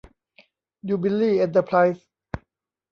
ยูบิลลี่ เอ็นเตอร์ไพรส์